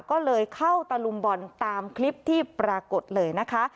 ก็เลยเข้าตะลุมบอลตามคลิปที่ปรากฏเลยนะคะ